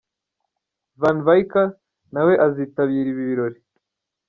Van Vicker nawe azitabira ibi birori.